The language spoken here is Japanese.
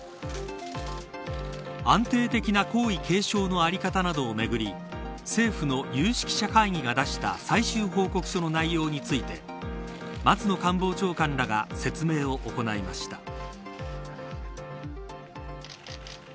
安定的な皇位継承の在り方などをめぐり政府の有識者会議が出した最終報告書の内容について松野官房長官らが説明を行いました。